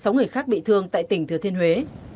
sáu người khác bị thương tại tỉnh thừa thiên huế